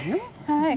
はい。